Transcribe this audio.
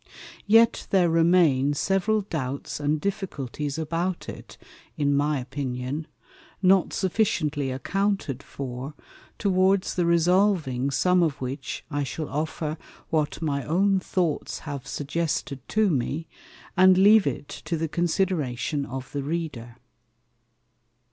Yet there remain several Doubts and Difficulties about it (in my Opinion) not sufficiently accounted for; towards the resolving some of which, I shall offer what my own Thoughts have suggested to me, and leave it to the Consideration of the Reader.